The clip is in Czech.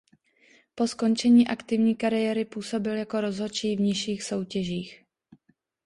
Po skončení aktivní kariéry působil jako rozhodčí v nižších soutěžích.